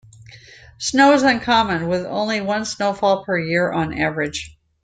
Snow is uncommon, with only one snowfall per year on average.